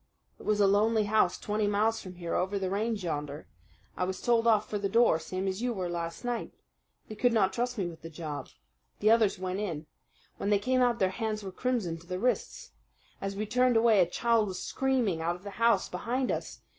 "It was a lonely house, twenty miles from here, over the range yonder. I was told off for the door, same as you were last night. They could not trust me with the job. The others went in. When they came out their hands were crimson to the wrists. As we turned away a child was screaming out of the house behind us.